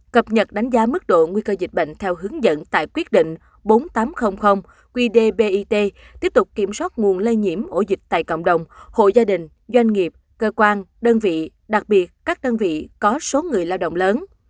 cập nhật đánh giá mức độ nguy cơ dịch bệnh theo hướng dẫn tại quyết định bốn nghìn tám trăm linh qdbit tiếp tục kiểm soát nguồn lây nhiễm ổ dịch tại cộng đồng hộ gia đình doanh nghiệp cơ quan đơn vị đặc biệt các đơn vị có số người lao động lớn